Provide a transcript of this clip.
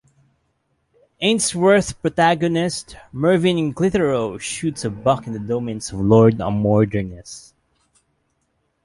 Ainsworth's protagonist Mervyn Clitheroe shoots a buck in the domains of Lord Amounderness.